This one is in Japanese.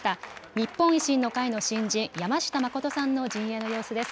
日本維新の会の新人、山下真さんの陣営の様子です。